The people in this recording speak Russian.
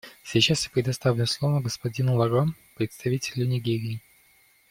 Сейчас я предоставляю слово господину Ларо — представителю Нигерии.